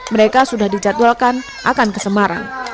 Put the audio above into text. mereka sudah dijadwalkan akan kesemarang